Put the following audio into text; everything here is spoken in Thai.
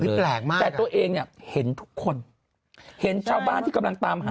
แปลกมากแต่ตัวเองเนี่ยเห็นทุกคนเห็นชาวบ้านที่กำลังตามหา